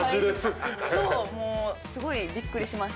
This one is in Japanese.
すごいびっくりしました。